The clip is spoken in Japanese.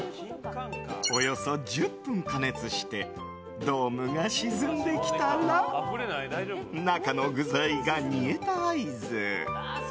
およそ１０分加熱してドームが沈んできたら中の具材が煮えた合図。